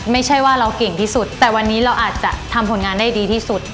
ไม่ใช่ว่าเราเก่งที่สุดแต่วันนี้เราอาจจะทำผลงานได้ดีที่สุด